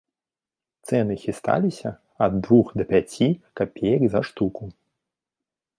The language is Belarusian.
Цэны хісталіся ад двух да пяці капеек за штуку.